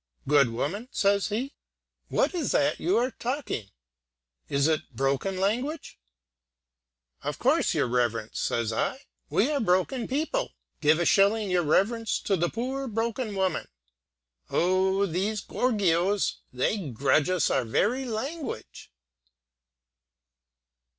'Good woman,' says he, 'what's that you are talking? Is it broken language?' 'Of course, your reverence,' says I, 'we are broken people; give a shilling, your reverence, to the poor broken woman.' Oh, these gorgios! they grudge us our very language!"